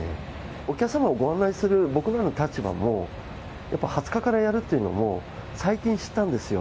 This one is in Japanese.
お客様をご案内する僕らの立場も、やっぱ２０日からやるっていうのも、最近知ったんですよ。